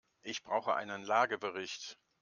Ich brauche einen Lagebericht.